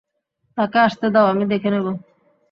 তাকে আসতে দাও, আমি দেখে নেব।